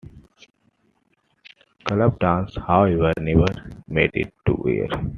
"Club Dance", however, never made it to air.